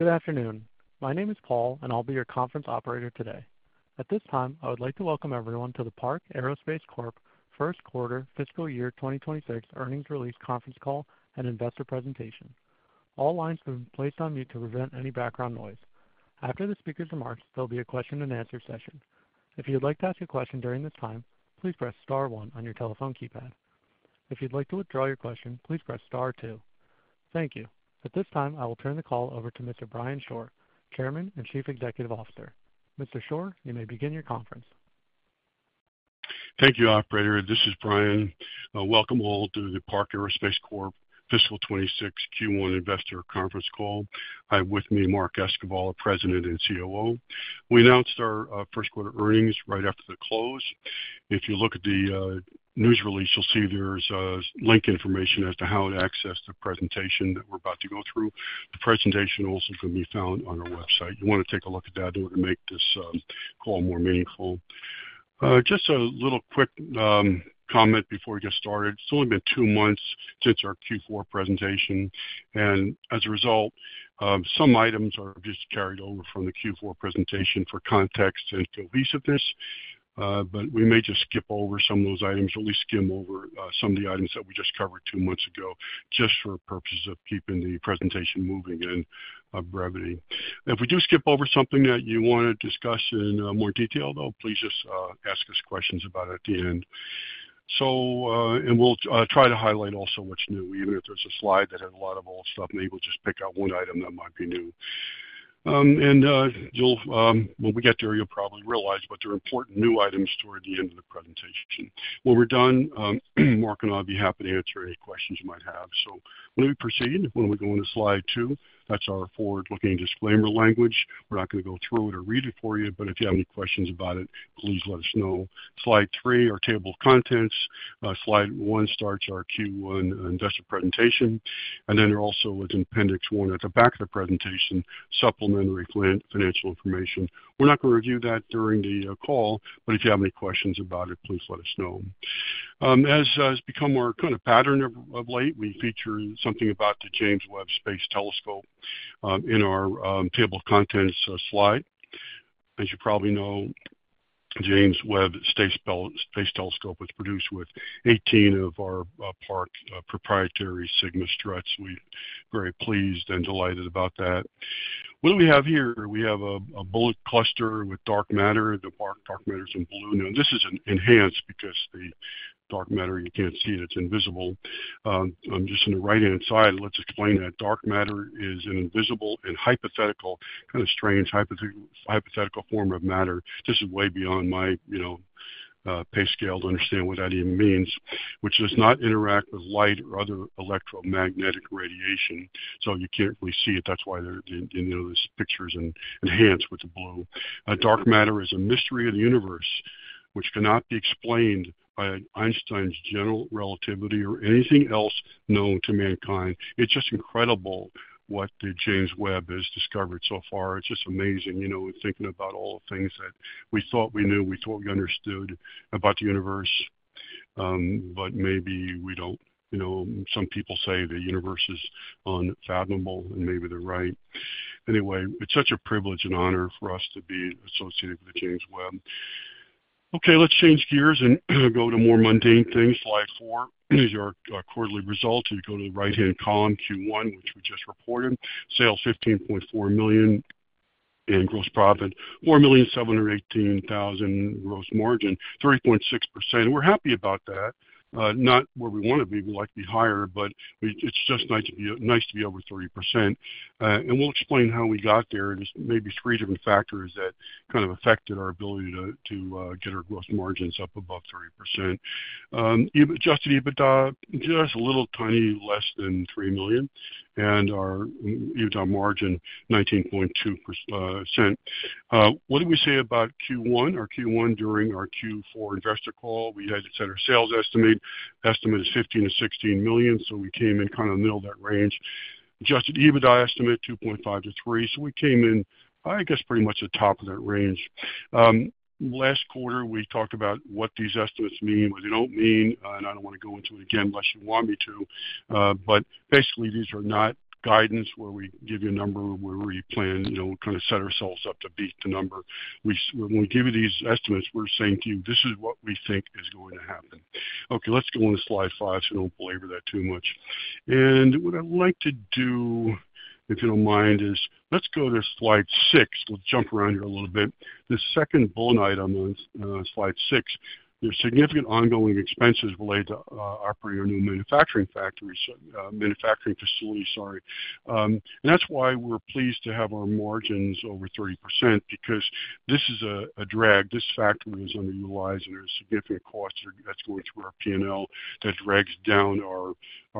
Good afternoon. My name is Paul, and I'll be your conference operator today. At this time, I would like to welcome everyone to the Park Aerospace Corp. first quarter fiscal year 2026 earnings release conference call and investor presentation. All lines have been placed on mute to prevent any background noise. After the speaker's remarks, there will be a question and answer session. If you would like to ask a question during this time, please press star one on your telephone keypad. If you'd like to withdraw your question, please press star two. Thank you. At this time, I will turn the call over to Mr. Brian Shore, Chairman and Chief Executive Officer. Mr. Shore, you may begin your conference. Thank you, operator. This is Brian. Welcome all to the Park Aerospace Corp. fiscal 2026 Q1 investor conference call. I have with me Mark Esquivel, President and COO. We announced our first quarter earnings right after the close. If you look at the news release, you'll see there's link information as to how to access the presentation that we're about to go through. The presentation also can be found on our website. You want to take a look at that in order to make this call more meaningful. Just a little quick comment before we get started. It's only been two months since our Q4 presentation, and as a result, some items are just carried over from the Q4 presentation for context and cohesiveness. We may just skip over some of those items or at least skim over some of the items that we just covered two months ago, just for purposes of keeping the presentation moving in brevity. If we do skip over something that you want to discuss in more detail, though, please just ask us questions about it at the end. We'll try to highlight also what's new, even if there's a slide that had a lot of old stuff, maybe we'll just pick out one item that might be new. When we get there, you'll probably realize what are important new items toward the end of the presentation. When we're done, Mark and I will be happy to answer any questions you might have. When we proceed, when we go into slide two, that's our forward-looking disclaimer language. We're not going to go through it or read it for you, but if you have any questions about it, please let us know. Slide three, our table of contents. Slide one starts our Q1 investor presentation, and then there also is an appendix one at the back of the presentation, supplementary financial information. We're not going to review that during the call, but if you have any questions about it, please let us know. As has become our kind of pattern of late, we feature something about the James Webb Space Telescope in our table of contents slide. As you probably know, the James Webb Space Telescope was produced with 18 of our Park proprietary SigmaStrat. We're very pleased and delighted about that. What do we have here? We have a bullet cluster with dark matter. The part dark matter is in blue. Now, this is enhanced because the dark matter, you can't see it. It's invisible. Just on the right-hand side, let's explain that dark matter is an invisible and hypothetical, kind of strange hypothetical form of matter. This is way beyond my, you know, pay scale to understand what that even means, which does not interact with light or other electromagnetic radiation. You can't really see it. That's why there, you know, this picture is enhanced with the blue. Dark matter is a mystery of the universe, which cannot be explained by Einstein's general relativity or anything else known to mankind. It's just incredible what the James Webb has discovered so far. It's just amazing, you know, thinking about all the things that we thought we knew, we thought we understood about the universe, but maybe we don't, you know, some people say the universe is unfathomable, and maybe they're right. Anyway, it's such a privilege and honor for us to be associated with the James Webb. Okay, let's change gears and go to more mundane things. Slide four is our quarterly results. If you go to the right-hand column, Q1, which we just reported, sales $15.4 million and gross profit, $4,718,000, gross margin, 30.6%. We're happy about that, not where we want to be. We'd like to be higher, but it's just nice to be over 30%. We'll explain how we got there. There's maybe three different factors that kind of affected our ability to get our gross margins up above 30%. Just a little tiny less than $3 million, and our EBITDA margin 19.2%. What did we say about Q1? Our Q1 during our Q4 investor call, we had a sales estimate. Estimate is $15 million-$16 million, so we came in kind of in the middle of that range. Adjusted EBITDA estimate $2.5 million-$3 million. We came in, I guess, pretty much the top of that range. Last quarter, we talked about what these estimates mean, what they don't mean, and I don't want to go into it again unless you want me to. Basically, these are not guidance where we give you a number or where we plan, you know, kind of set ourselves up to beat the number. When we give you these estimates, we're saying to you, this is what we think is going to happen. Okay, let's go on to slide five, so don't belabor that too much. What I'd like to do, if you don't mind, is let's go to slide six. We'll jump around here a little bit. The second bullet item on slide six, there's significant ongoing expenses related to operating our new manufacturing factory, manufacturing facility, sorry, and that's why we're pleased to have our margins over 30% because this is a drag. This factory is underutilized, and there's significant costs that's going through our P&L that drags down our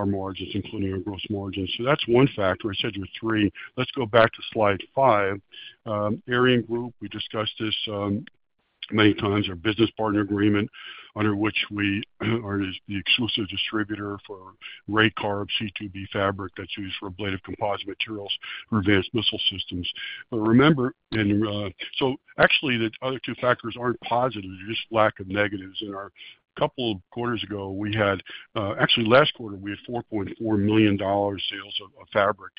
margins, including our gross margins. That's one factor. I said there were three. Let's go back to slide five. ArianeGroup, we discussed this many times, our business partner agreement under which we are the exclusive distributor for Raycarb C2B fabric that's used for ablative composite materials for advanced missile systems. Remember, actually, the other two factors aren't positive. They're just lack of negatives. A couple of quarters ago, actually, last quarter, we had $4.4 million sales of fabric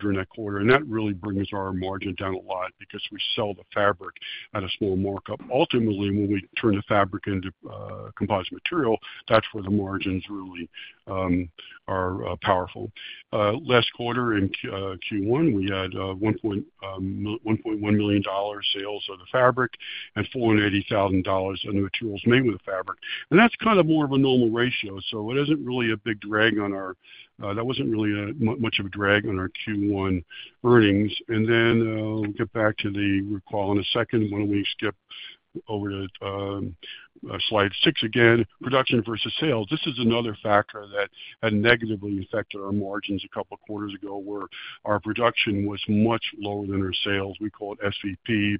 during that quarter. That really brings our margin down a lot because we sell the fabric at a small markup. Ultimately, when we turn the fabric into composite material, that's where the margins really are powerful. Last quarter in Q1, we had $1.1 million sales of the fabric and $480,000 in the materials made with the fabric. That's kind of more of a normal ratio. It isn't really a big drag on our, that wasn't really much of a drag on our Q1 earnings. We'll get back to the group call in a second. Why don't we skip over to slide six again? Production versus sales. This is another factor that had negatively affected our margins a couple of quarters ago where our production was much lower than our sales. We call it SVP.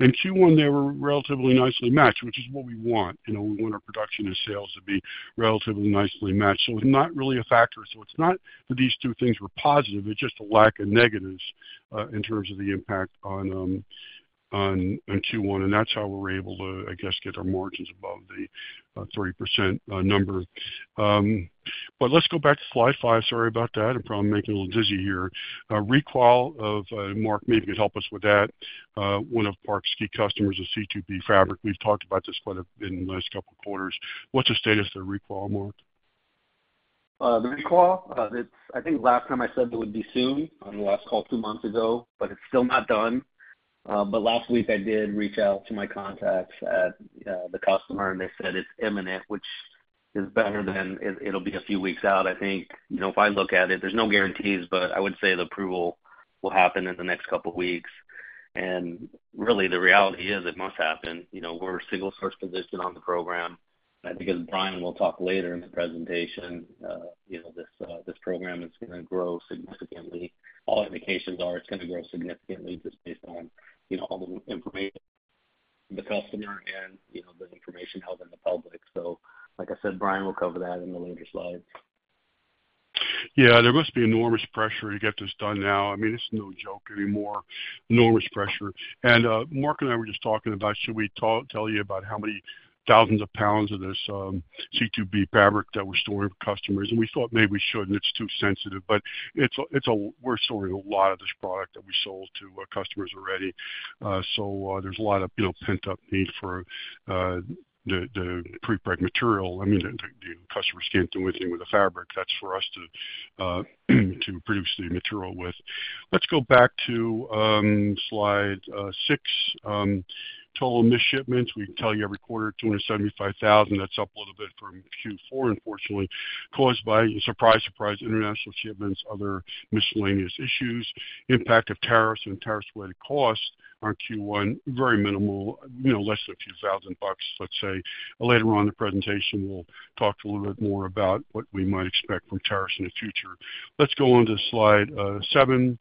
In Q1, they were relatively nicely matched, which is what we want. We want our production and sales to be relatively nicely matched. It's not really a factor. It's not that these two things were positive. It's just a lack of negatives in terms of the impact on Q1. That's how we're able to, I guess, get our margins above the 30% number. Let's go back to slide five. Sorry about that. I'm probably making you a little dizzy here. Recall of Mark, maybe you could help us with that. One of Park's key customers is C2B fabric. We've talked about this quite a bit in the last couple of quarters. What's the status of the recall, Mark? The recall, I think last time I said that it would be soon on the last call two months ago, but it's still not done. Last week, I did reach out to my contacts at the customer, and they said it's imminent, which is better than it'll be a few weeks out, I think. If I look at it, there's no guarantees, but I would say the approval will happen in the next couple of weeks. The reality is it must happen. We're a single-source position on the program. I think as Brian will talk later in the presentation, this program is going to grow significantly. All indications are it's going to grow significantly just based on all the information from the customer and the information held in the public. Like I said, Brian will cover that in the later slides. Yeah, there must be enormous pressure to get this done now. I mean, it's no joke anymore. Enormous pressure. Mark and I were just talking about, should we tell you about how many thousands of pounds of this C2B fabric that we're storing for customers? We thought maybe we shouldn't. It's too sensitive. We're storing a lot of this product that we sold to customers already, so there's a lot of pent-up need for the prepreg material. The customers can't do anything with the fabric. That's for us to produce the material with. Let's go back to slide six. Total missed shipments, we can tell you every quarter, $275,000. That's up a little bit from Q4, unfortunately, caused by, surprise, surprise, international shipments, other miscellaneous issues. Impact of tariffs and tariffs-related costs on Q1, very minimal, less than a few thousand bucks, let's say. Later on in the presentation, we'll talk a little bit more about what we might expect from tariffs in the future. Let's go on to slide seven.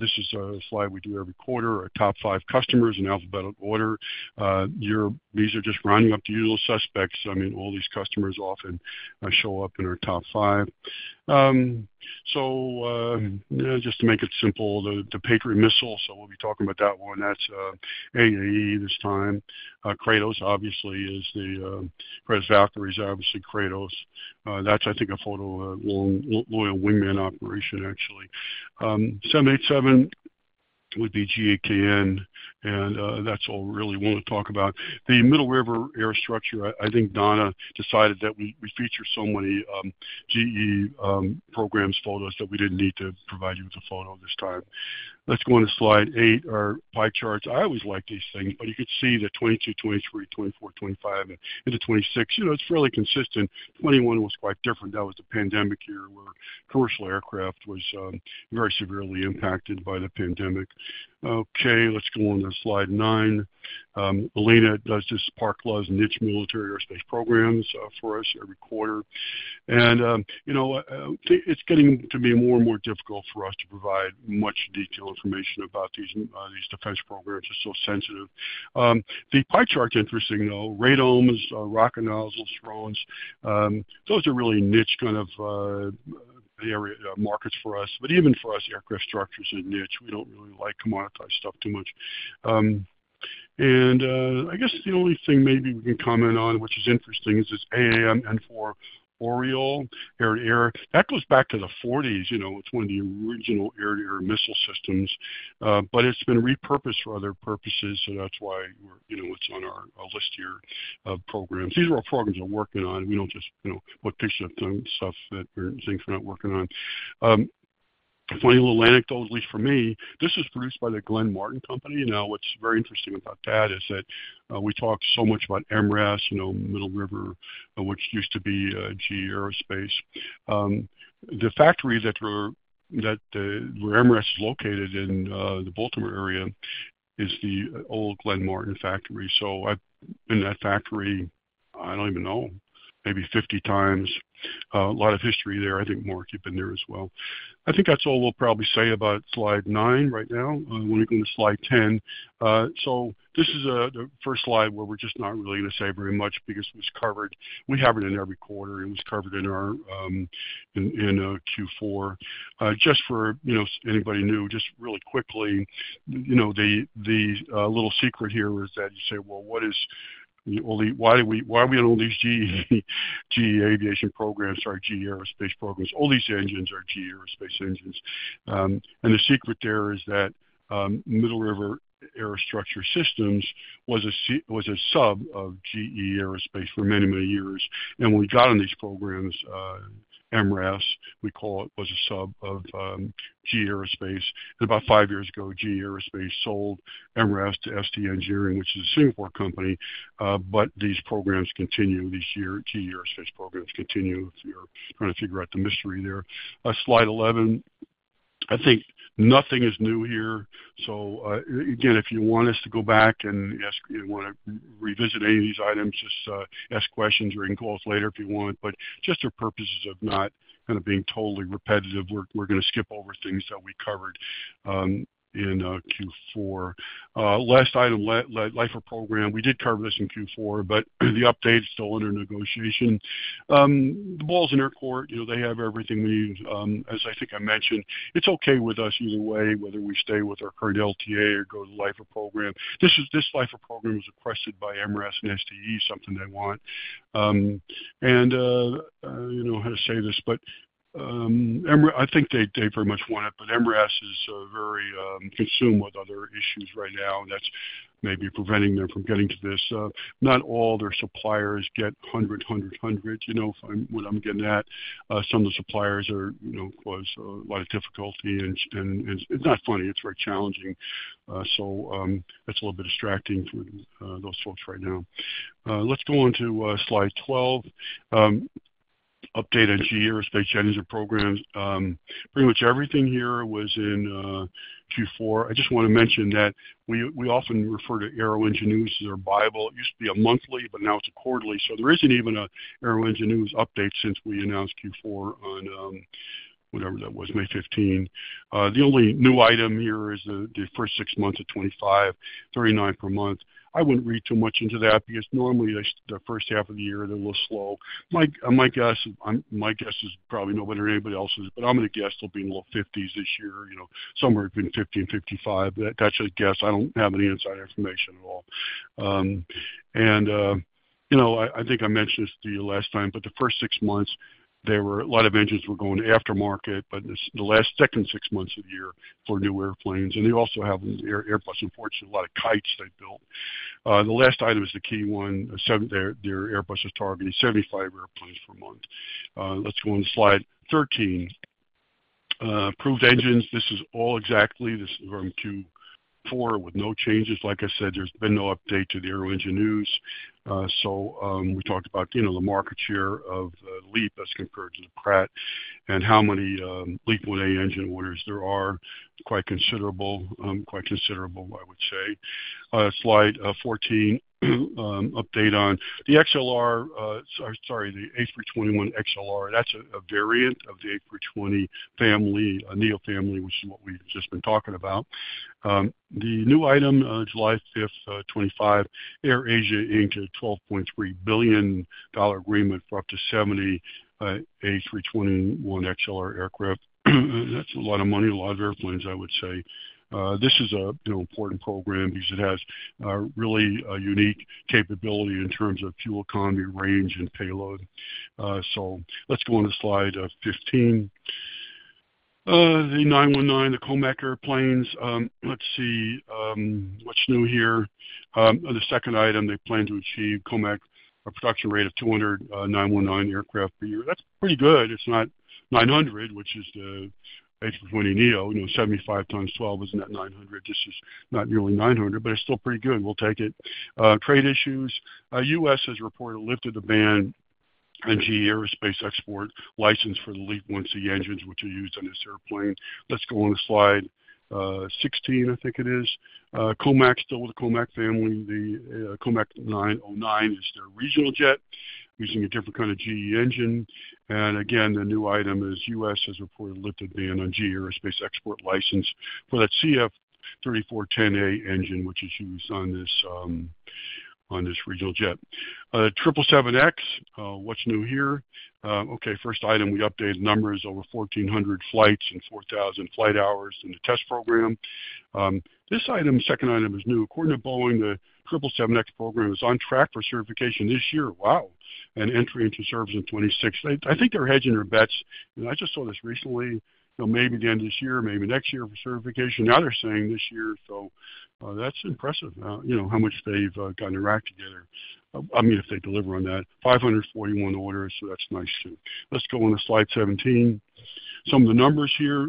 This is a slide we do every quarter, our top five customers in alphabetical order. These are just rounding up the usual suspects. All these customers often show up in our top five. Just to make it simple, the Patriot missile, we'll be talking about that one. That's AAE this time. Kratos, obviously, is the Kratos Valkyries, obviously Kratos. I think that's a photo of a loyal wingman operation, actually. 787 would be GKN. That's all we really want to talk about. The Middle River Aerostructure, I think Donna decided that we feature so many GE programs photos that we didn't need to provide you with a photo this time. Let's go into slide eight, our pie charts. I always like these things, but you can see the 2022, 2023, 2024, 2025, and the 2026, it's fairly consistent. 2021 was quite different. That was the pandemic year where commercial aircraft was very severely impacted by the pandemic. Let's go on to slide nine. Elena does this Park Law's niche military airspace programs for us every quarter. It's getting to be more and more difficult for us to provide much detailed information about these defense programs. It's so sensitive. The pie chart's interesting, though. Radomes, rocket nozzles, drones, those are really niche kind of area markets for us. Even for us, aircraft structures are niche. We don't really like commoditized stuff too much. I guess the only thing maybe we can comment on, which is interesting, is this AAMN for Oriole air-to-air. That goes back to the 1940s. You know, it's one of the original air-to-air missile systems, but it's been repurposed for other purposes. That's why it's on our list here of programs. These are all programs we're working on. We don't just put pictures of them and stuff that we think we're not working on. Funny little anecdote, at least for me, this was produced by the Glenn Martin Company. What's very interesting about that is that we talked so much about MRAS, Middle River, which used to be GE Aerospace. The factory that MRAS is located in, the Baltimore area, is the old Glenn Martin factory. I've been to that factory, I don't even know, maybe 50x. A lot of history there. I think Mark, you've been there as well. I think that's all we'll probably say about slide nine right now. When we go into slide 10, this is the first slide where we're just not really going to say very much because it was covered. We have it in every quarter. It was covered in Q4. Just for anybody new, just really quickly, the little secret here is that you say, what is, why do we, why are we on all these GE Aerospace programs? All these engines are GE Aerospace engines. The secret there is that Middle River Aerostructure Systems was a sub of GE Aerospace for many, many years. When we got on these programs, MRAS, we call it, was a sub of GE Aerospace. About five years ago, GE Aerospace sold MRAS to ST Engineering, which is a Singapore company, but these programs continue. These GE Aerospace programs continue if you're trying to figure out the mystery there. Slide 11, I think nothing is new here. If you want us to go back and ask, you want to revisit any of these items, just ask questions or in calls later if you want. Just for purposes of not kind of being totally repetitive, we're going to skip over things that we covered in Q4. Last item, LIFRA program. We did cover this in Q4, but the update is still under negotiation. The ball's in their court. They have everything we need. As I think I mentioned, it's okay with us either way, whether we stay with our current LTA or go to the LIFRA program. This LIFRA program was requested by MRAS and STE, something they want. I don't know how to say this, but I think they very much want it, but MRAS is very consumed with other issues right now, and that's maybe preventing them from getting to this. Not all their suppliers get 100, 100, 100, you know, if you get what I'm getting at. Some of the suppliers cause a lot of difficulty, and it's not funny. It's very challenging. That's a little bit distracting for those folks right now. Let's go on to slide 12. Update on GE Aerospace generator programs. Pretty much everything here was in Q4. I just want to mention that we often refer to Aero Engineers as our bible. It used to be a monthly, but now it's a quarterly. There isn't even an Aero Engineers update since we announced Q4 on May 15th. The only new item here is the first six months of 2025, 39 per month. I wouldn't read too much into that because normally the first half of the year, they're a little slow. My guess is probably no better than anybody else's, but I'm going to guess they'll be in the low 50s this year, somewhere between 50 and 55. That's just a guess. I don't have any inside information at all. I think I mentioned this to you last time, but the first six months, there were a lot of engines that were going aftermarket, but the second six months of the year are for new airplanes. They also have an Airbus, unfortunately, a lot of kites they built. The last item is the key one. Their Airbus is targeting 75 airplanes per month. Let's go on to slide 13. Approved engines. This is all exactly from Q4 with no changes. Like I said, there's been no update to the Aero Engine News. We talked about the market share of the LEAP as compared to the Pratt and how many LEAP 1A engine orders there are. Quite considerable, quite considerable, I would say. Slide 14, update on the XLR, sorry, the A321XLR. That's a variant of the A320 family, a Neo family, which is what we've just been talking about. The new item, July 5th, 2025, AirAsia Inc. is a $12.3 billion agreement for up to 70 A321XLR aircraft. That's a lot of money, a lot of airplanes, I would say. This is an important program because it has a really unique capability in terms of fuel economy, range, and payload. Let's go on to slide 15. The 919, the Comac airplanes. Let's see what's new here. The second item, they plan to achieve, Comac, a production rate of 200, 919 aircraft per year. That's pretty good. It's not 900, which is the A320 Neo. You know, 75 times 12 isn't at 900. This is not nearly 900, but it's still pretty good. We'll take it. Trade issues. U.S. has reportedly lifted the ban on GE Aerospace export license for the LEAP 1C engines, which are used on this airplane. Let's go on to slide 16, I think it is. Comac, still with the Comac family. The Comac 909 is their regional jet using a different kind of GE engine. Again, the new item is U.S. has reportedly lifted the ban on GE Aerospace export license for that CF3410A engine, which is used on this regional jet. 777X. What's new here? First item, we updated the numbers: over 1,400 flights and 4,000 flight hours in the test program. This item, second item is new. According to Boeing, the 777X program is on track for certification this year. Entry into service in 2026. I think they're hedging their bets. I just saw this recently. Maybe the end of this year, maybe next year for certification. Now they're saying this year. That's impressive, you know, how much they've gotten their act together. I mean, if they deliver on that. 541 orders. That's nice too. Let's go on to slide 17. Some of the numbers here.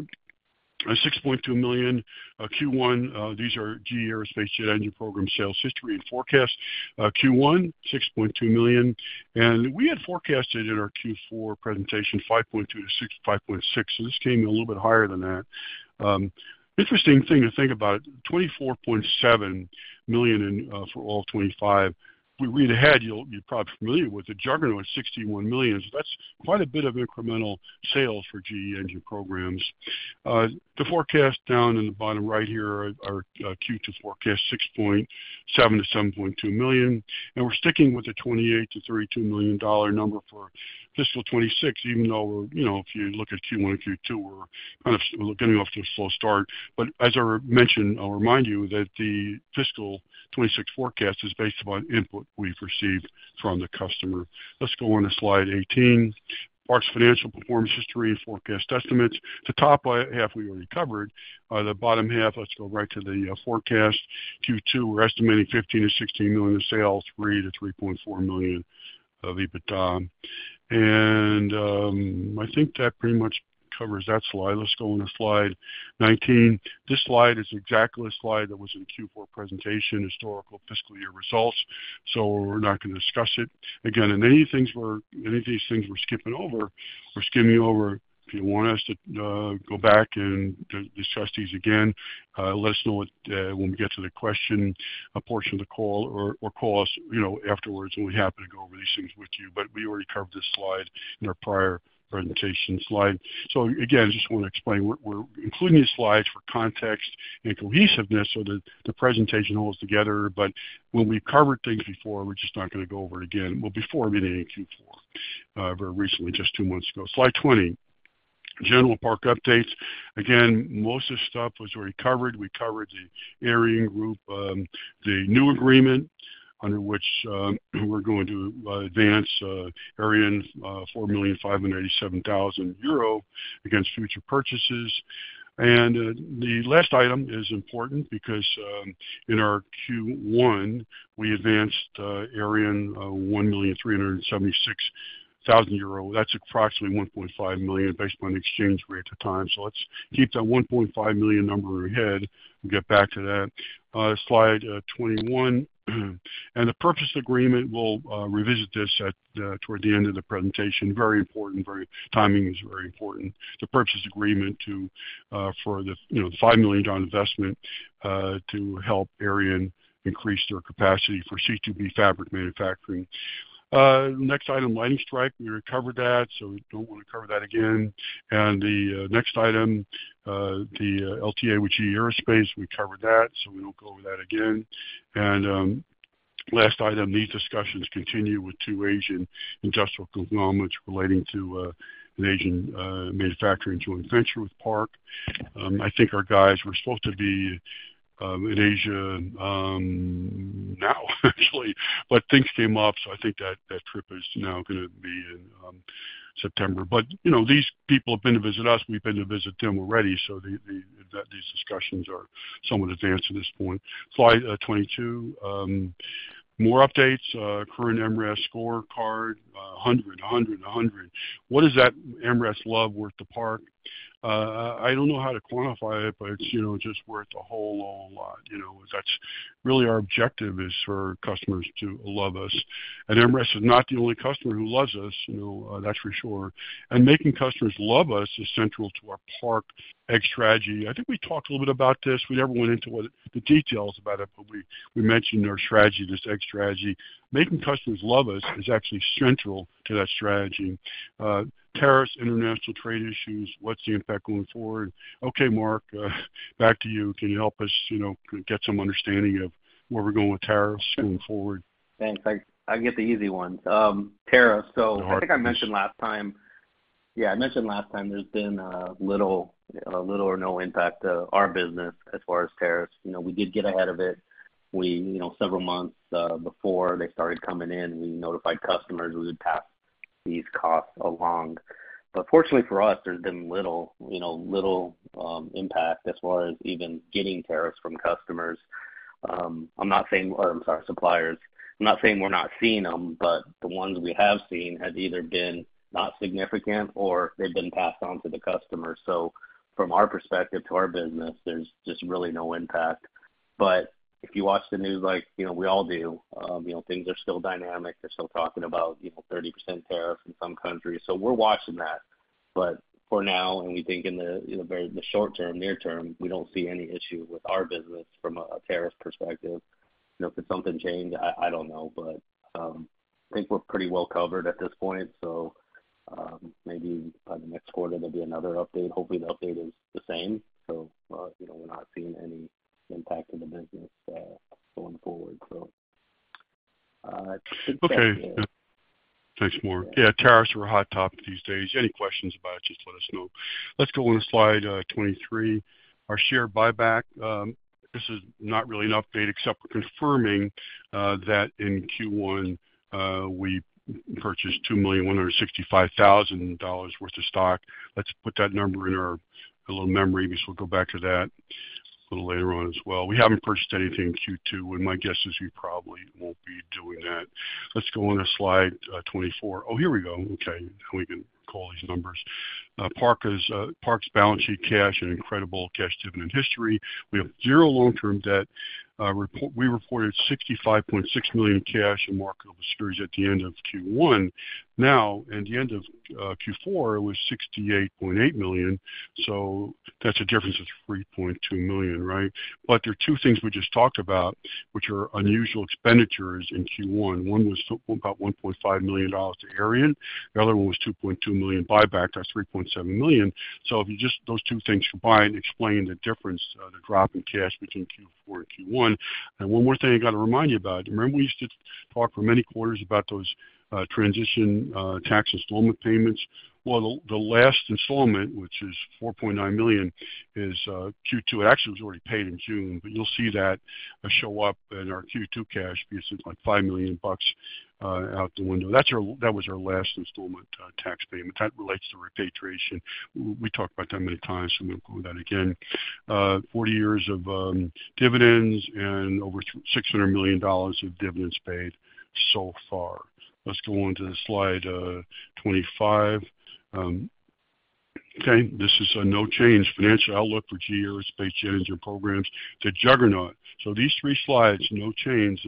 $6.2 million. Q1. These are GE Aerospace jet engine program sales history and forecast. Q1, $6.2 million. We had forecasted in our Q4 presentation $5.2 million-$5.6 million. This came in a little bit higher than that. Interesting thing to think about, $24.7 million for all 2025. If we read ahead, you're probably familiar with the juggernaut at $61 million. That's quite a bit of incremental sales for GE engine programs. The forecast down in the bottom right here, our Q2 forecast $6.7 million-$7.2 million. We're sticking with the $28 million-$32 million number for fiscal 2026, even though, you know, if you look at Q1 and Q2, we're kind of getting off to a slow start. As I mentioned, I'll remind you that the fiscal 2026 forecast is based upon input we've received from the customer. Let's go on to slide 18. Park's financial performance history and forecast estimates. The top half we already covered. The bottom half, let's go right to the forecast. Q2, we're estimating $15 million-$16 million in sales, $3 million-$3.4 million of EBITDA. I think that pretty much covers that slide. Let's go on to slide 19. This slide is exactly a slide that was in the Q4 presentation, historical fiscal year results. We're not going to discuss it. Again, in any of these things we're skipping over, we're skimming over. If you want us to go back and discuss these again, let us know when we get to the question portion of the call or call us afterwards when we happen to go over these things with you. We already covered this slide in our prior presentation slide. I just want to explain we're including these slides for context and cohesiveness so that the presentation holds together. When we've covered things before, we're just not going to go over it again. Before meeting in Q4, very recently, just two months ago. Slide 20. General Park updates. Most of the stuff was already covered. We covered the ArianeGroup, the new agreement under which we're going to advance ArianeGroup €4,587,000 against future purchases. The last item is important because, in our Q1, we advanced ArianeGroup €1,376,000. That's approximately $1.5 million based upon the exchange rate at the time. Let's keep that $1.5 million number in our head and get back to that. Slide 21. The purchase agreement, we'll revisit this toward the end of the presentation. Very important. Timing is very important. The purchase agreement for the $5 million investment to help ArianeGroup increase their capacity for C2B fabric manufacturing. Next item, lightning strike. We already covered that, so we don't want to cover that again. The next item, the LTA with GE Aerospace, we covered that, so we don't go over that again. Last item, these discussions continue with two Asian industrial conglomerates relating to an Asian manufacturing joint venture with Park. I think our guys were supposed to be in Asia now, actually, but things came up. I think that trip is now going to be in September. These people have been to visit us. We've been to visit them already. These discussions are somewhat advanced at this point. Slide 22. More updates. Current EmRES scorecard, 100, 100, 100. What is that EmRES love worth to Park? I don't know how to quantify it, but it's just worth a whole lot, you know. That's really our objective is for customers to love us. EmRES is not the only customer who loves us, that's for sure. Making customers love us is central to our Park X strategy. I think we talked a little bit about this. We never went into the details about it, but we mentioned our strategy, this X strategy. Making customers love us is actually central to that strategy. Tariffs, international trade issues, what's the impact going forward? Okay, Mark, back to you. Can you help us, you know, get some understanding of where we're going with tariffs going forward? Thanks. I get the easy ones. Tariffs. I think I mentioned last time, yeah, I mentioned last time there's been little or no impact to our business as far as tariffs. We did get ahead of it. Several months before they started coming in, we notified customers we would pass these costs along. Fortunately for us, there's been little impact as far as even getting tariffs from suppliers. I'm not saying we're not seeing them, but the ones we have seen have either been not significant or they've been passed on to the customer. From our perspective to our business, there's just really no impact. If you watch the news, like we all do, things are still dynamic. They're still talking about, you know, 30% tariff in some countries. We're watching that. For now, and we think in the very short term, near term, we don't see any issue with our business from a tariff perspective. Could something change? I don't know. I think we're pretty well covered at this point. Maybe by the next quarter, there'll be another update. Hopefully, the update is the same. We're not seeing any impact to the business going forward. Okay. Thanks, Mark. Yeah, tariffs are a hot topic these days. Any questions about it, just let us know. Let's go on to slide 23. Our share buyback, this is not really an update except for confirming that in Q1, we purchased $2,165,000 worth of stock. Let's put that number in our little memory. We'll go back to that a little later on as well. We haven't purchased anything in Q2, and my guess is we probably won't be doing that. Let's go on to slide 24. Oh, here we go. Okay. We can recall these numbers. Park's balance sheet cash and incredible cash dividend history. We have zero long-term debt. We reported $65.6 million in cash and marketable securities at the end of Q1. Now, at the end of Q4, it was $68.8 million. That's a difference of $3.2 million, right? There are two things we just talked about, which are unusual expenditures in Q1. One was about $1.5 million to ArianeGroup. The other one was $2.2 million buyback. That's $3.7 million. If you just those two things combine and explain the difference, the drop in cash between Q4 and Q1. One more thing I got to remind you about. Remember, we used to talk for many quarters about those transition tax installment payments. The last installment, which is $4.9 million, is Q2. It actually was already paid in June, but you'll see that show up in our Q2 cash. It's like $5 million out the window. That was our last installment tax payment. That relates to repatriation. We talked about that many times, so I'm not going to go over that again. Forty years of dividends and over $600 million of dividends paid so far. Let's go on to slide 25. Okay. This is a no-change financial outlook for GE Aerospace Gen Engine Programs. The juggernaut. These three slides, no change.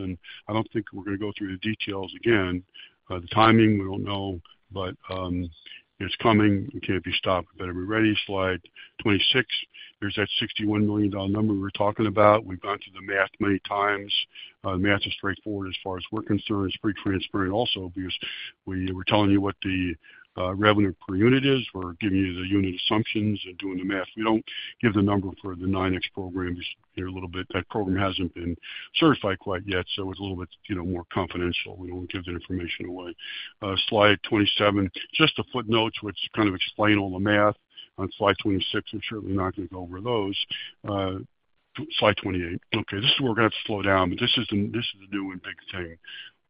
I don't think we're going to go through the details again. The timing, we don't know, but it's coming. It can't be stopped. We better be ready. Slide 26. There's that $61 million number we were talking about. We've gone through the math many times. The math is straightforward as far as we're concerned. It's pretty transparent also because we were telling you what the revenue per unit is. We're giving you the unit assumptions and doing the math. We don't give the number for the 9X program. You hear a little bit. That program hasn't been certified quite yet. It's a little bit, you know, more confidential. We don't give that information away. Slide 27. Just the footnotes, which kind of explain all the math. On slide 26, we're certainly not going to go over those. Slide 28. Okay. This is where we're going to have to slow down. This is the new and big thing.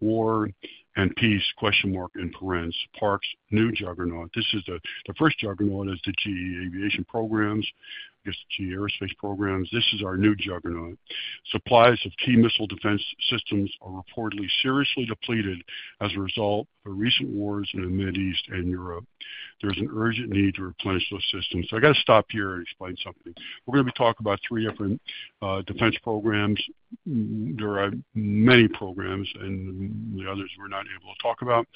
War and peace, question mark in parentheses. Park's new juggernaut. This is the first juggernaut as the GE Aerospace programs, I guess the GE Aerospace programs. This is our new juggernaut. Supplies of key missile defense systems are reportedly seriously depleted as a result of the recent wars in the Mideast and Europe. There's an urgent need to replenish those systems. I have to stop here and explain something. We're going to be talking about three different defense programs. There are many programs and the others we're not able to talk about.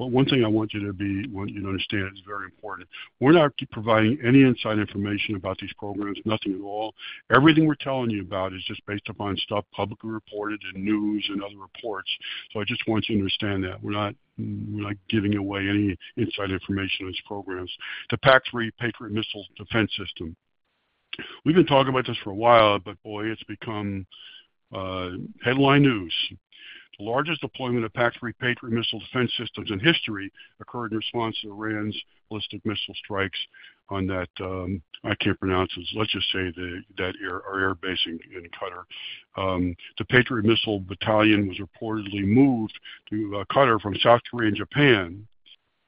One thing I want you to understand is very important. We're not providing any inside information about these programs. Nothing at all. Everything we're telling you about is just based upon stuff publicly reported in news and other reports. I just want you to understand that. We're not giving away any inside information on these programs. The PAC-3 Patriot Missile Defense System. We've been talking about this for a while, but boy, it's become headline news. The largest deployment of PAC-3 Patriot Missile Defense Systems in history occurred in response to Iran's ballistic missile strikes on that, I can't pronounce it. Let's just say that our airbase in Qatar. The Patriot Missile Battalion was reportedly moved to Qatar from South Korea and Japan,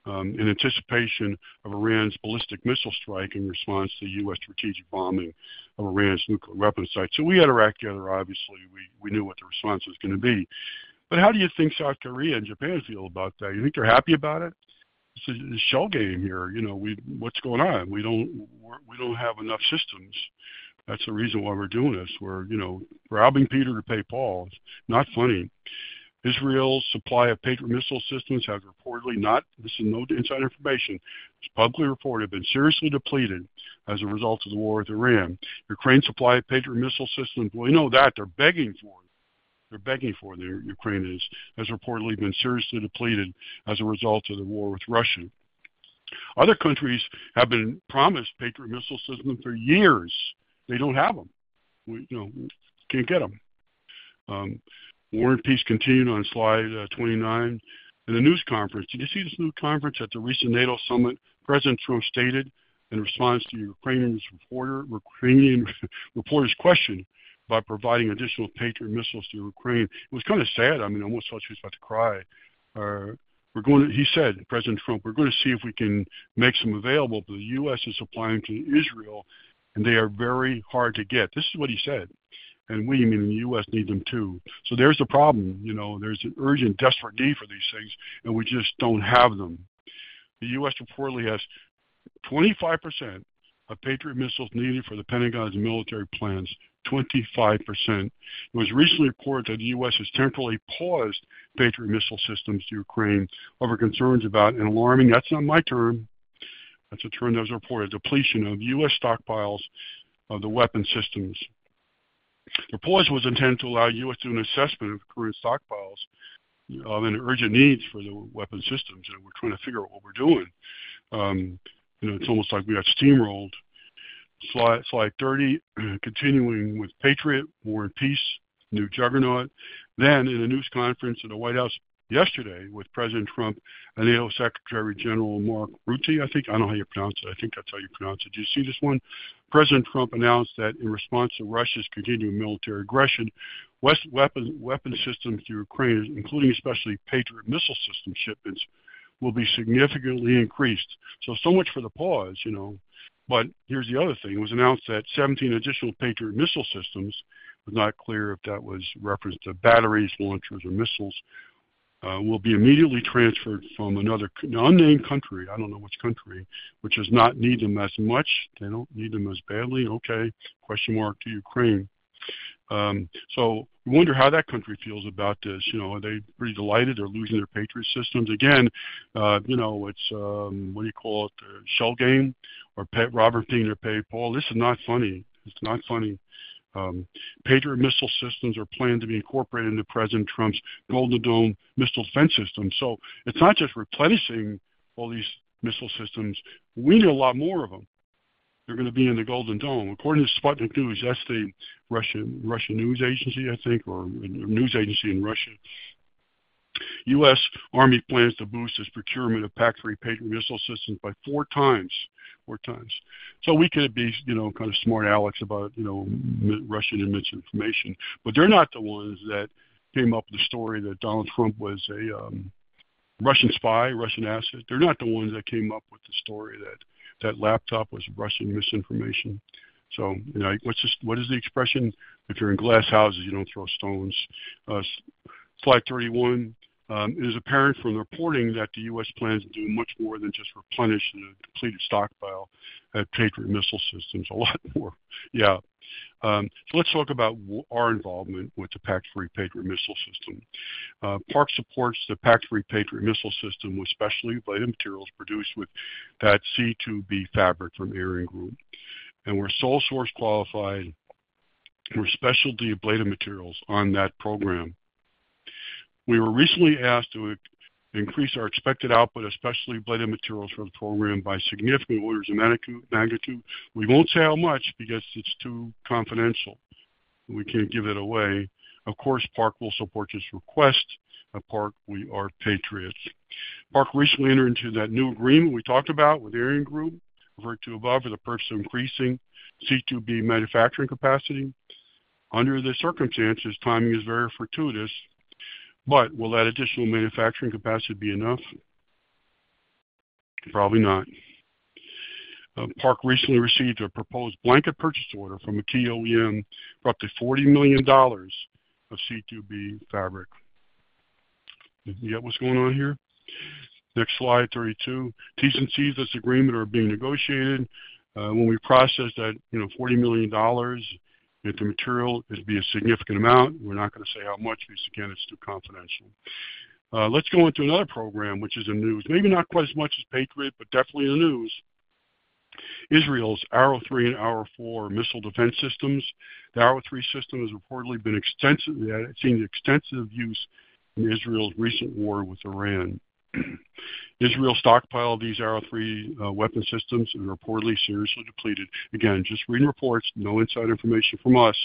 in anticipation of Iran's ballistic missile strike in response to U.S. strategic bombing of Iran's nuclear weapon site. We had our act together, obviously. We knew what the response was going to be. How do you think South Korea and Japan feel about that? Do you think they're happy about it? This is a shell game here. You know, what's going on? We don't have enough systems. That's the reason why we're doing this. We're, you know, grabbing Peter to pay Paul. It's not funny. Israel's supply of Patriot missile systems has reportedly not, this is no inside information, it's publicly reported to have been seriously depleted as a result of the war with Iran. Ukraine's supply of Patriot missile systems, you know that. They're begging for it. They're begging for it. Ukraine has reportedly been seriously depleted as a result of the war with Russia. Other countries have been promised Patriot missile systems for years. They don't have them. We, you know, can't get them. War and peace continued on slide 29 in the news conference. Did you see this news conference at the recent NATO summit? President Trump stated in response to a Ukrainian reporter's question about providing additional Patriot missiles to Ukraine. It was kind of sad. I mean, I almost thought she was about to cry. "We're going to," he said, President Trump, "we're going to see if we can make some available, but the U.S. is supplying to Israel, and they are very hard to get." This is what he said. "And we mean the U.S. needs them too." There is the problem. You know, there is an urgent, desperate need for these things, and we just don't have them. The U.S. reportedly has 25% of Patriot missiles needed for the Pentagon's military plans. 25%. It was recently reported that the U.S. has temporarily paused Patriot missile systems to Ukraine over concerns about an alarming, that's not my term, that's a term that was reported, depletion of the U.S. stockpiles of the weapon systems. The pause was intended to allow the U.S. to do an assessment of the current stockpiles and urgent needs for the weapon systems. We're trying to figure out what we're doing. You know, it's almost like we got steamrolled. Slide 30. Continuing with Patriot, War and Peace, new juggernaut. In a news conference in the White House yesterday with President Trump and NATO Secretary General Mark Rutte, I think. I don't know how you pronounce it. I think that's how you pronounce it. Did you see this one? President Trump announced that in response to Russia's continued military aggression, West weapon systems to Ukraine, including especially Patriot missile system shipments, will be significantly increased. So much for the pause, you know. Here is the other thing. It was announced that 17 additional Patriot missile systems, it was not clear if that was reference to batteries, launchers, or missiles, will be immediately transferred from another unnamed country, I don't know which country, which does not need them as much. They don't need them as badly. Okay. Question mark to Ukraine. You wonder how that country feels about this. You know, are they pretty delighted they're losing their Patriot systems? Again, you know, it's, what do you call it? The shell game or Pat Roberts being their pay Paul. This is not funny. It's not funny. Patriot missile systems are planned to be incorporated into President Trump's Golden Dome missile defense system. It's not just replenishing all these missile systems. We need a lot more of them. They're going to be in the Golden Dome. According to Sputnik News, that's the Russian news agency, I think, or a news agency in Russia. The U.S. Army plans to boost its procurement of PAC-3 Patriot missile systems by 4x, 4x. We could be, you know, kind of smart alecs about, you know, Russian and misinformation. They're not the ones that came up with the story that Donald Trump was a Russian spy, Russian asset. They're not the ones that came up with the story that that laptop was Russian misinformation. What's the expression? If you're in glass houses, you don't throw stones. Slide 31. It is apparent from the reporting that the U.S. plans to do much more than just replenish the depleted stockpile of Patriot missile systems. A lot more. Let's talk about our involvement with the PAC-3 Patriot missile system. Park supports the PAC-3 Patriot missile system with specialty ablative materials produced with that C2B fabric from ArianeGroup. We're sole-source qualified. We're specialty ablative materials on that program. We were recently asked to increase our expected output of specialty ablative materials for the program by significant orders of magnitude. We won't say how much because it's too confidential. We can't give it away. Of course, Park will support this request. At Park, we are patriots. Park recently entered into that new agreement we talked about with ArianeGroup, referred to above, for the purpose of increasing C2B manufacturing capacity. Under the circumstances, timing is very fortuitous, but will that additional manufacturing capacity be enough? Probably not. Park recently received a proposed blanket purchase order from a key OEM for up to $40 million of C2B fabric. You get what's going on here? Next slide, 32. Ts and Cs of this agreement are being negotiated. When we process that $40 million into material, it'd be a significant amount. We're not going to say how much because, again, it's too confidential. Let's go into another program, which is in the news. Maybe not quite as much as Patriot, but definitely in the news. Israel's Arrow 3 and Arrow 4 missile defense systems. The Arrow 3 system has reportedly been seen in extensive use in Israel's recent war with Iran. Israel stockpiled these Arrow 3 weapon systems and reportedly seriously depleted. Again, just reading reports, no inside information from us.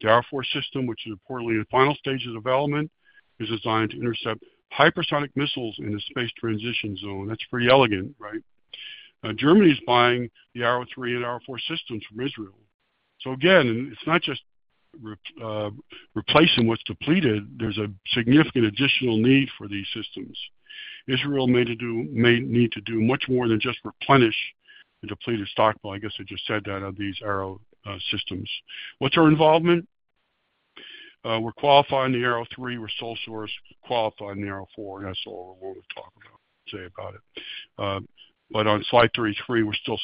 The Arrow 4 system, which is reportedly in the final stages of development, is designed to intercept hypersonic missiles in a space transition zone. That's pretty elegant, right? Germany is buying the Arrow 3 and Arrow 4 systems from Israel. Again, it's not just replacing what's depleted. There's a significant additional need for these systems. Israel may need to do much more than just replenish a depleted stockpile. I guess I just said that on these Arrow systems. What's our involvement? We're qualifying the Arrow 3. We're sole-source qualifying the Arrow 4. That's all we want to say about it. On slide 33, we're still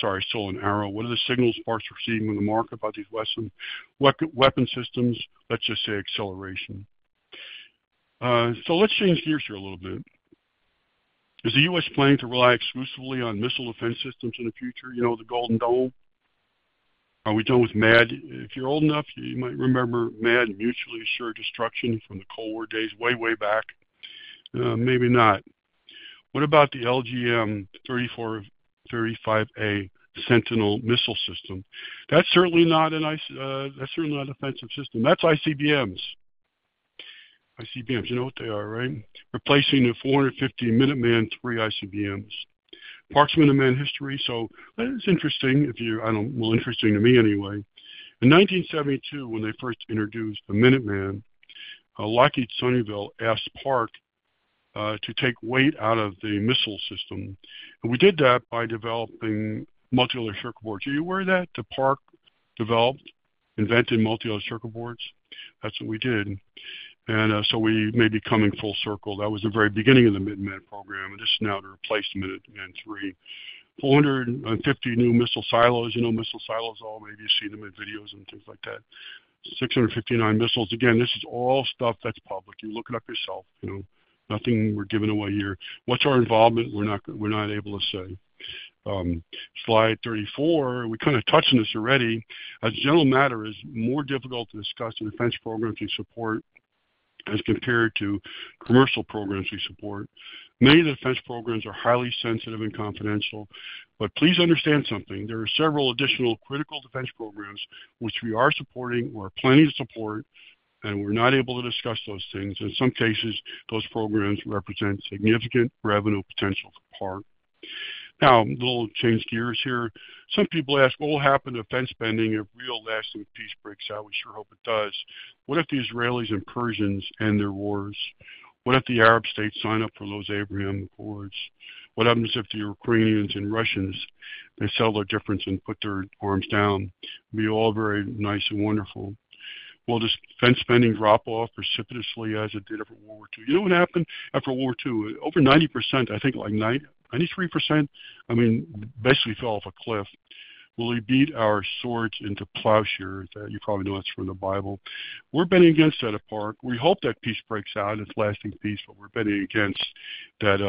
in Arrow. What are the signals Park is receiving on the market about these Western weapon systems? Let's just say acceleration. Let's change gears here a little bit. Is the U.S. planning to rely exclusively on missile defense systems in the future, you know, the Golden Dome? Are we done with MAD? If you're old enough, you might remember MAD, Mutually Assured Destruction from the Cold War days, way, way back. Maybe not. What about the LGM-35A Sentinel missile system? That's certainly not an ICBM, that's certainly not a defensive system. That's ICBMs. ICBMs, you know what they are, right? Replacing the 450 Minuteman III ICBMs. Park's Minuteman history. It's interesting if you, I don't know, interesting to me anyway. In 1972, when they first introduced the Minuteman, Lockheed Sunnyvale asked Park to take weight out of the missile system. We did that by developing multi-level circuit boards. Are you aware of that Park developed, invented multi-level circuit boards? That's what we did. We may be coming full circle. That was the very beginning of the Minuteman program. This is now to replace the Minuteman III. 450 new missile silos. Missile silos, maybe you've seen them in videos and things like that. 659 missiles. This is all stuff that's public. You look it up yourself. Nothing we're giving away here. What's our involvement? We're not able to say. Slide 34. We kind of touched on this already. As a general matter, it's more difficult to discuss the defense programs we support as compared to commercial programs we support. Many of the defense programs are highly sensitive and confidential. Please understand something. There are several additional critical defense programs which we are supporting or are planning to support, and we're not able to discuss those things. In some cases, those programs represent significant revenue potential for Park. Now, I'll change gears here. Some people ask, what will happen to defense spending if real lasting peace breaks out? We sure hope it does. What if the Israelis and Persians end their wars? What if the Arab states sign up for those Abraham Accords? What happens if the Ukrainians and Russians, they settle their difference and put their arms down? It'd be all very nice and wonderful. Will defense spending drop off precipitously as it did after World War II? You know what happened after World War II? Over 90%, I think like 93%, I mean, basically fell off a cliff. Will we beat our swords into plowshares? You probably know that's from the Bible. We're betting against that at Park. We hope that peace breaks out and it's lasting peace, but we're betting against that,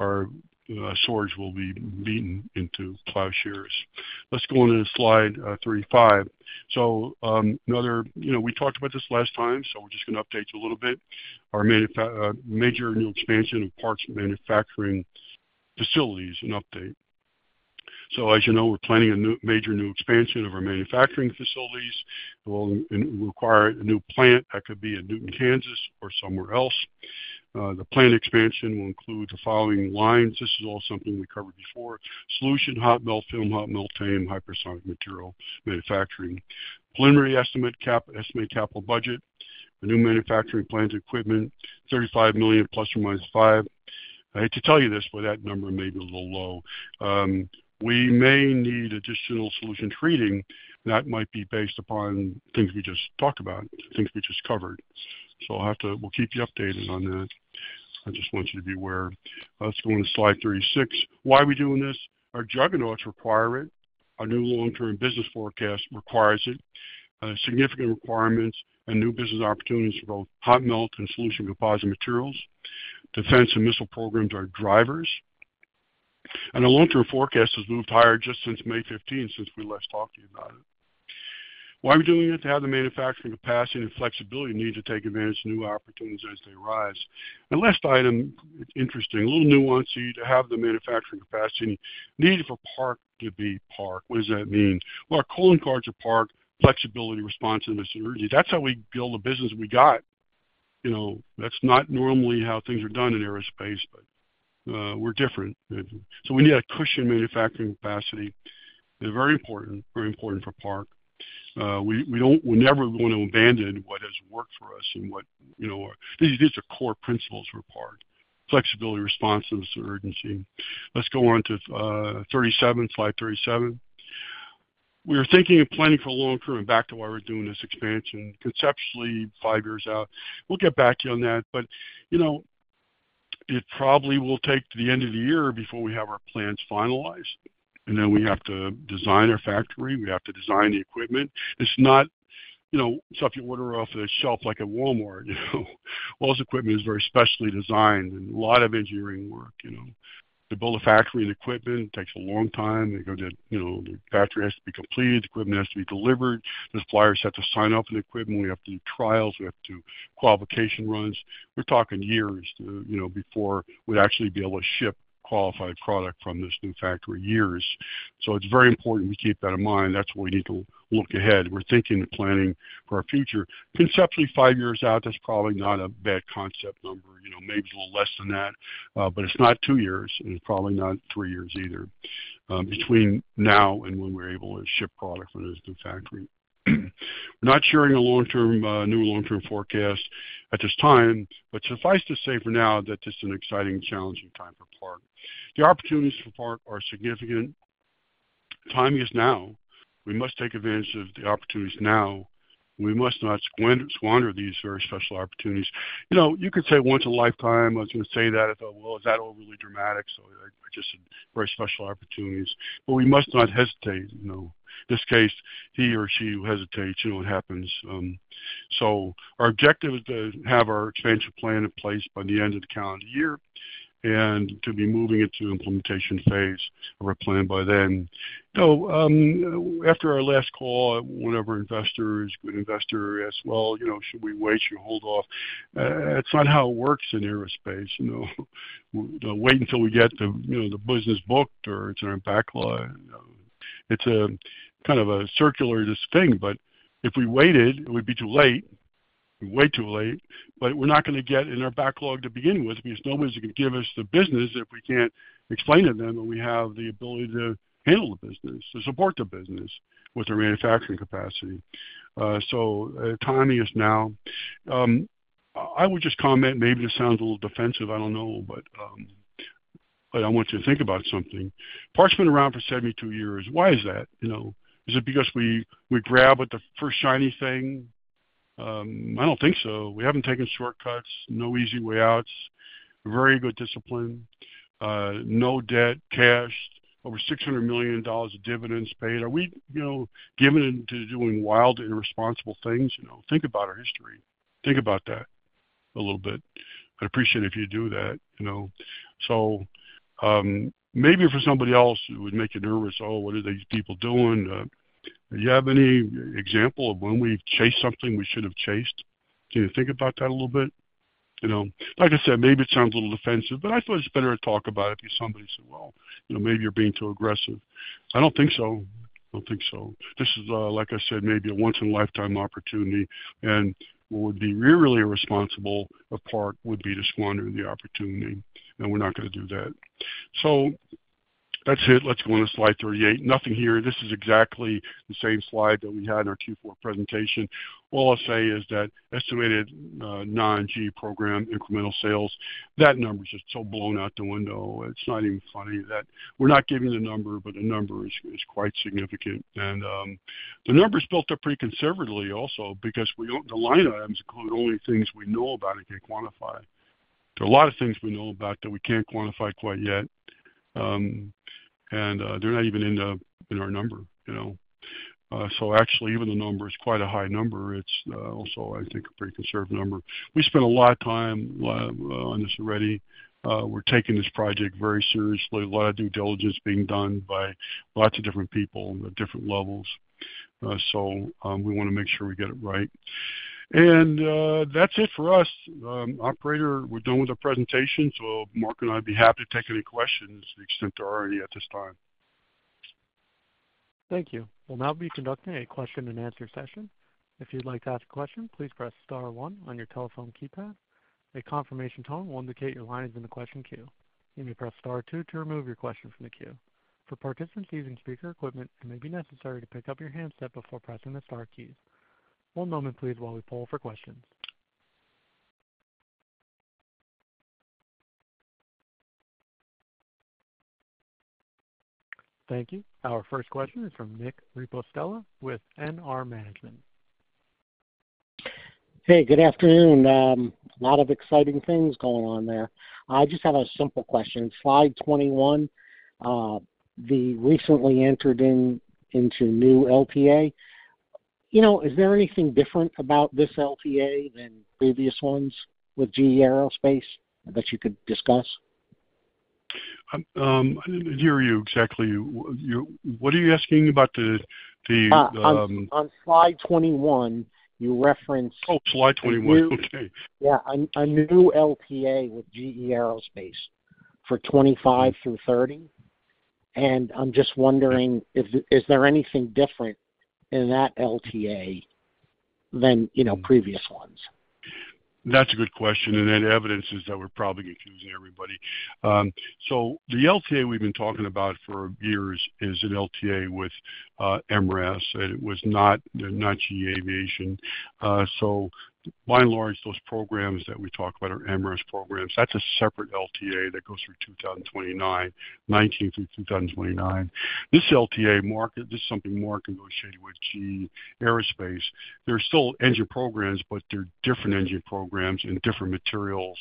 our swords will be beaten into plowshares. Let's go on to slide 35. Another, you know, we talked about this last time, so we're just going to update you a little bit. Our manufacturing, major new expansion of Park's manufacturing facilities, an update. As you know, we're planning a new major new expansion of our manufacturing facilities. It will require a new plant. That could be in Newton, Kansas, or somewhere else. The plant expansion will include the following lines. This is all something we covered before. Solution hot melt film, hot melt tape, hypersonic materials manufacturing. Preliminary estimate capital budget. A new manufacturing plant equipment, $35 million, ±$5 million. I hate to tell you this, but that number may be a little low. We may need additional solution treating. That might be based upon things we just talked about, things we just covered. We'll keep you updated on that. I just want you to be aware. Let's go on to slide 36. Why are we doing this? Our juggernauts require it. Our new long-term business forecast requires it. Significant requirements and new business opportunities for both hot melt and solution composite materials. Defense and missile programs are drivers. Our long-term forecast has moved higher just since May 15th, since we last talked to you about it. Why are we doing it? To have the manufacturing capacity and the flexibility needed to take advantage of new opportunities as they arise. Last item, it's interesting, a little nuancy, to have the manufacturing capacity needed for Park to be Park. What does that mean? Our calling cards are Park, flexibility, responsiveness, and energy. That's how we build the business we got. That's not normally how things are done in aerospace, but we're different. We need a cushion manufacturing capacity. Very important, very important for Park. We never want to abandon what has worked for us and what, you know, these are core principles for Park. Flexibility, responsiveness, and urgency. Let's go on to 37, slide 37. We were thinking of planning for long-term, and back to why we're doing this expansion. Conceptually, five years out. We'll get back to you on that. It probably will take to the end of the year before we have our plans finalized. Then we have to design our factory. We have to design the equipment. It's not stuff you order off the shelf like at Walmart. All this equipment is very specially designed and a lot of engineering work. To build a factory and equipment takes a long time. The factory has to be completed. The equipment has to be delivered. The suppliers have to sign off on the equipment. We have to do trials. We have to do qualification runs. We're talking years before we'd actually be able to ship qualified product from this new factory, years. It's very important we keep that in mind. That's what we need to look ahead. We're thinking of planning for our future. Conceptually, five years out, that's probably not a bad concept number. Maybe it's a little less than that, but it's not two years, and it's probably not three years either, between now and when we're able to ship product from this new factory. We're not sharing a new long-term forecast at this time, but suffice to say for now that this is an exciting, challenging time for Park. The opportunities for Park are significant. Timing is now. We must take advantage of the opportunities now. We must not squander these very special opportunities. You could say once in a lifetime. I was going to say that. I thought, is that overly dramatic? I just said very special opportunities. We must not hesitate. In this case, he or she hesitates. You know what happens. Our objective is to have our expansion plan in place by the end of the calendar year and to be moving into the implementation phase of our plan by then. After our last call, one of our investors, a good investor, asked, you know, should we wait? Should we hold off? It's not how it works in aerospace. We'll wait until we get the, you know, the business booked or it's in our backlog. It's a kind of a circular, this thing. If we waited, it would be too late. We're way too late. We're not going to get in our backlog to begin with because nobody's going to give us the business if we can't explain to them that we have the ability to handle the business, to support the business with our manufacturing capacity. Timing is now. I would just comment, maybe this sounds a little defensive. I don't know, but I want you to think about something. Park has been around for 72 years. Why is that? Is it because we grab at the first shiny thing? I don't think so. We haven't taken shortcuts. No easy way outs. We're very good discipline. No debt, cash, over $600 million of dividends paid. Are we, you know, given into doing wild, irresponsible things? Think about our history. Think about that a little bit. I'd appreciate it if you do that. Maybe for somebody else who would make you nervous, oh, what are these people doing? Do you have any example of when we've chased something we shouldn't have chased? Can you think about that a little bit? Like I said, maybe it sounds a little defensive, but I thought it's better to talk about it if somebody said, maybe you're being too aggressive. I don't think so. I don't think so. This is, like I said, maybe a once-in-a-lifetime opportunity. What would be really irresponsible of Park would be to squander the opportunity. We're not going to do that. That's it. Let's go on to slide 38. Nothing here. This is exactly the same slide that we had in our Q4 presentation. All I'll say is that estimated non-G program incremental sales, that number is just so blown out the window. It's not even funny that we're not giving the number, but the number is quite significant. The number is built up pretty conservatively also because the line items include only things we know about and can quantify. There are a lot of things we know about that we can't quantify quite yet, and they're not even in our number, you know. Actually, even the number is quite a high number. It's also, I think, a pretty conservative number. We spent a lot of time on this already. We're taking this project very seriously. A lot of due diligence being done by lots of different people at different levels. We want to make sure we get it right. That's it for us. Operator, we're done with the presentation. Mark and I'd be happy to take any questions to the extent there are any at this time. Thank you. We'll now be conducting a question and answer session. If you'd like to ask a question, please press star one on your telephone keypad. A confirmation tone will indicate your line is in the question queue. You may press star two to remove your question from the queue. For participants using speaker equipment, it may be necessary to pick up your handset before pressing the star keys. One moment, please, while we poll for questions. Thank you. Our first question is from Nick Ripostella with NR Management. Hey, good afternoon. A lot of exciting things going on there. I just have a simple question. Slide 21. The recently entered into new LTA. You know, is there anything different about this LTA than previous ones with GE Aerospace that you could discuss? I didn't hear you exactly. What are you asking about the. On slide 21, you referenced. Slide 21. Okay. Yeah. A new LTA with GE Aerospace for 2025 through 2030. I'm just wondering, is there anything different in that LTA than, you know, previous ones? That's a good question. That evidences that we're probably confusing everybody. The LTA we've been talking about for years is an LTA with MRAS, and they're not GE Aerospace. By and large, those programs that we talk about are MRAS programs. That's a separate LTA that goes through 2029, 2019 through 2029. This LTA, Mark, this is something Mark negotiated with GE Aerospace. They're still engine programs, but they're different engine programs and different materials.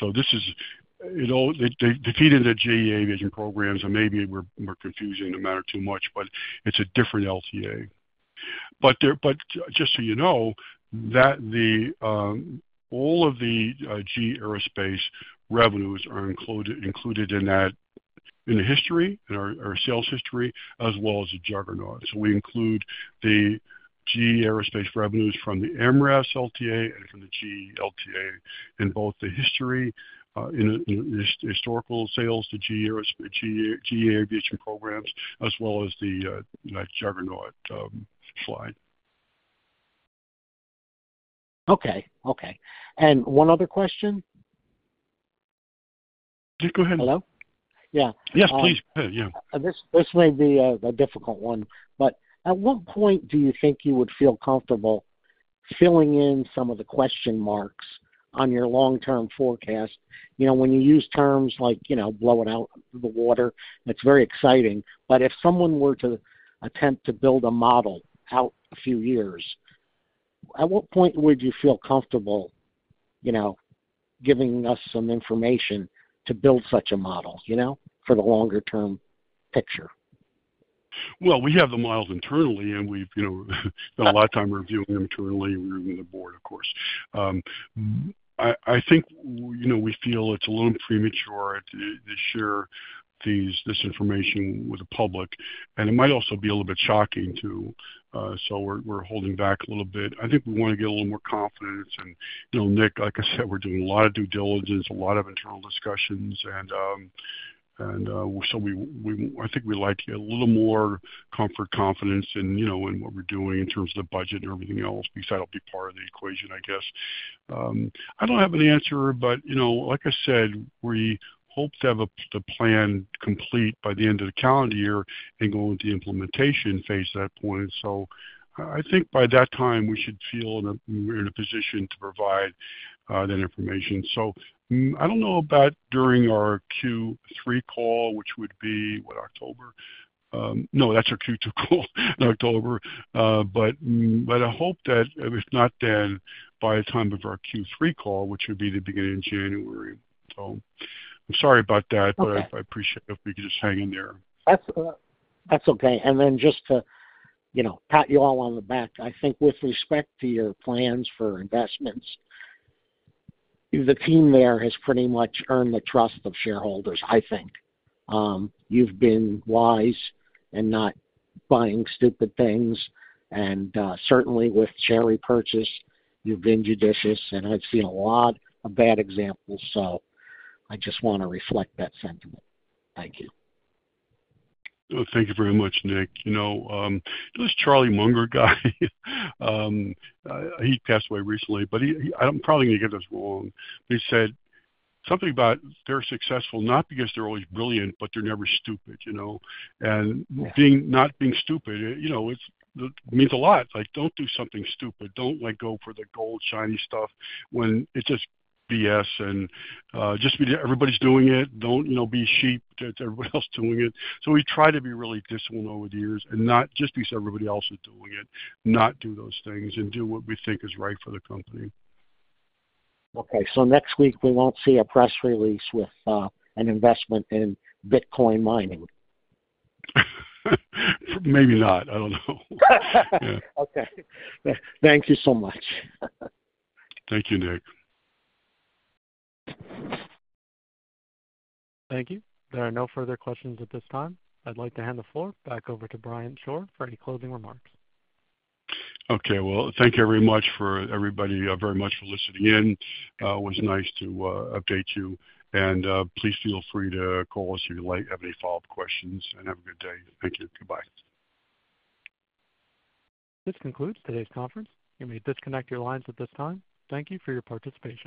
They feed into GE Aerospace programs, and maybe we're confusing the matter too much, but it's a different LTA. Just so you know, all of the GE Aerospace revenues are included in the history, in our sales history, as well as the juggernaut. We include the GE Aerospace revenues from the MRAS LTA and from the GE LTA in both the history, in the historical sales to GE Aerospace programs, as well as the juggernaut slide. Okay. Okay. One other question. Yeah, go ahead. Hello? Yeah. Yes, please go ahead. This may be a difficult one. At what point do you think you would feel comfortable filling in some of the question marks on your long-term forecast? When you use terms like, you know, blow it out of the water, it's very exciting. If someone were to attempt to build a model out a few years, at what point would you feel comfortable giving us some information to build such a model for the longer-term picture? We have the models internally, and we've spent a lot of time reviewing them internally. We're in the board, of course. I think we feel it's a little premature to share this information with the public. It might also be a little bit shocking too, so we're holding back a little bit. I think we want to get a little more confidence. You know, Nick, like I said, we're doing a lot of due diligence, a lot of internal discussions. I think we'd like to get a little more comfort, confidence in what we're doing in terms of the budget and everything else because that'll be part of the equation, I guess. I don't have an answer, but like I said, we hope to have the plan complete by the end of the calendar year and go into the implementation phase at that point. By that time, we should feel in a position to provide that information. I don't know about during our Q3 call, which would be, what, October? No, that's our Q2 call, in October. I hope that if not then, by the time of our Q3 call, which would be the beginning of January. I'm sorry about that, but I appreciate it if we could just hang in there. That's okay. Just to, you know, pat you all on the back, I think with respect to your plans for investments, the team there has pretty much earned the trust of shareholders, I think. You've been wise and not buying stupid things. Certainly with share buybacks, you've been judicious, and I've seen a lot of bad examples. I just want to reflect that sentiment. Thank you. Oh, thank you very much, Nick. You know, this Charlie Munger guy, he passed away recently, but he, I'm probably going to get this wrong. He said something about they're successful not because they're always brilliant, but they're never stupid, you know. Being not being stupid, it means a lot. Like, don't do something stupid. Don't let go for the gold, shiny stuff when it's just BS, and just because everybody's doing it, don't be sheep. Everybody else is doing it. We try to be really disciplined over the years and not just because everybody else is doing it, not do those things and do what we think is right for the company. Okay. Next week, we won't see a press release with an investment in Bitcoin mining. Maybe not. I don't know. Yeah. Okay, thank you so much. Thank you, Nick. Thank you. There are no further questions at this time. I'd like to hand the floor back over to Brian Shore for any closing remarks. Thank you very much, everybody, for listening in. It was nice to update you. Please feel free to call us if you have any follow-up questions, and have a good day. Thank you. Goodbye. This concludes today's conference. You may disconnect your lines at this time. Thank you for your participation.